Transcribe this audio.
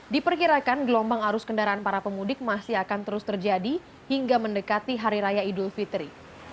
diperkirakan gelombang arus kendaraan para pemudik masih akan terus terjadi hingga mendekati hari raya idul fitri